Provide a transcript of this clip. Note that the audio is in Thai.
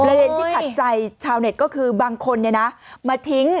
ประเด็นที่ขัดใจชาวเน็ตก็คือบางคนเนี่ยนะ